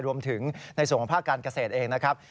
รวมถึงในส่วนของภาคการเกษตรเองนะครับ